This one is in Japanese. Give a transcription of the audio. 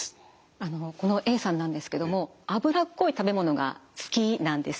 あのこのＡさんなんですけども脂っこい食べ物が好きなんですね。